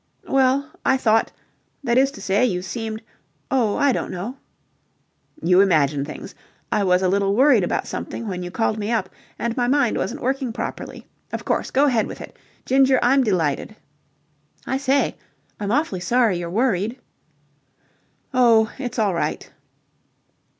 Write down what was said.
"Well, I thought... that is to say, you seemed... oh, I don't know." "You imagine things. I was a little worried about something when you called me up, and my mind wasn't working properly. Of course, go ahead with it. Ginger. I'm delighted." "I say, I'm awfully sorry you're worried." "Oh. it's all right."